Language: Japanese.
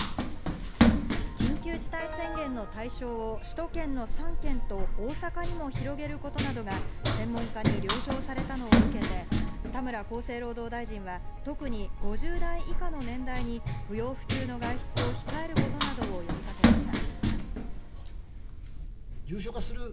緊急事態宣言の対象を首都圏の３県と大阪にも広げることなどが専門家に了承されたのを受けて、田村厚生労働大臣は特に５０代以下の年代に不要不急の外出を控えることなどを呼びかけました。